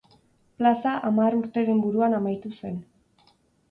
Plaza hamar urteren buruan amaitu zen.